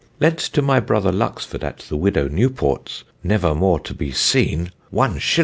"Lent to my brother Luxford at the Widow Newports, never more to be seene! 1_s.